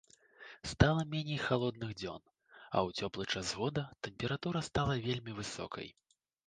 Стала меней халодных дзён, а ў цёплы час года тэмпература стала вельмі высокай.